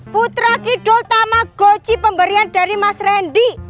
putra kidul tamagoci pemberian dari mas rendi